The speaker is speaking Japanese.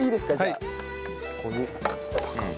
ここにパカッ。